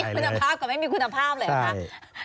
ใหญ่เลยครับใช่